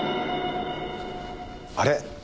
あれ？